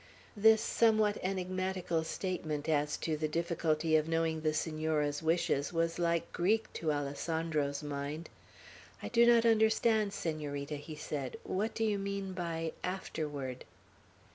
This somewhat enigmatical statement as to the difficulty of knowing the Senora's wishes was like Greek to Alessandro's mind. "I do not understand, Senorita," he said. "What do you mean by 'afterward'?"